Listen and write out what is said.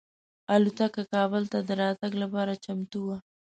الوتکه کابل ته د راتګ لپاره چمتو وه.